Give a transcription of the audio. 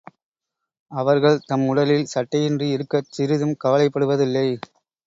அவர்கள் தம் உடலில் சட்டையின்றி இருக்கச் சிறிதும் கவலைப் படுவதில்லை.